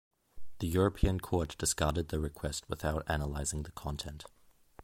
The European court discarded the request without analysing the content.